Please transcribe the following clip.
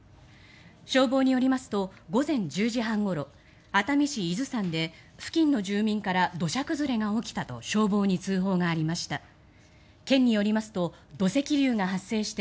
消防によりますと午前１０時半ごろ熱海市伊豆山で付近の住民から土砂崩れが起きたと消防に通報がありました。